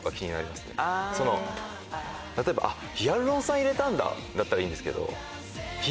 例えばヒアルロン酸入れたんだだったらいいんですけど。